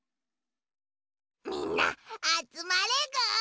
みんなあつまれぐ！